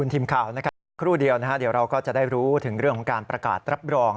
ทีมข่าวครับเดี๋ยวเราก็จะได้รู้เรื่องการประกาศรับรอง